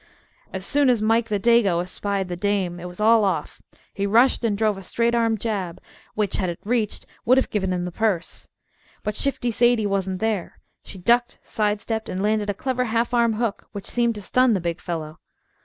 As soon as Mike the Dago espied the dame it was all off. He rushed and drove a straight arm jab, which had it reached would have given him the purse. But shifty Sadie wasn't there. She ducked, side stepped, and landed a clever half arm hook, which seemed to stun the big fellow.